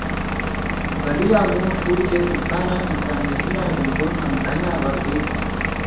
بلیاں مُو ݜُو چے کہ انسان انسانیتیاں ژؤن٘دُن لن٘گھَیں یاں غرضی تھہ